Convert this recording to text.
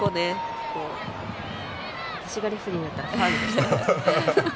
私がレフェリーでしたらファウルでしたよ。